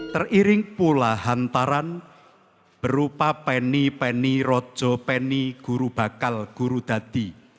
teriring pula hantaran berupa peni peni rojo peni guru bakal guru dati